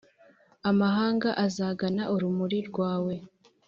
amahanga azagana urumuri rwawe,